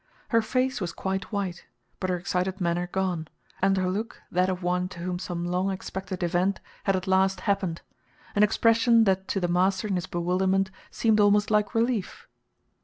Her face was quite white, but her excited manner gone, and her look that of one to whom some long expected event had at last happened an expression that to the master in his bewilderment seemed almost like relief.